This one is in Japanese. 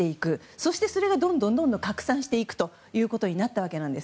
そしてそれがどんどん拡散していくことになったわけです。